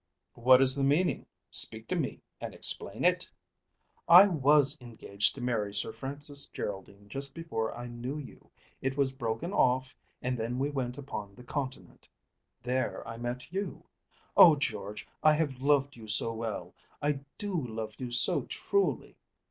"What is the meaning? Speak to me and explain it." "I was engaged to marry Sir Francis Geraldine just before I knew you. It was broken off and then we went upon the Continent. There I met you. Oh, George, I have loved you so well! I do love you so truly."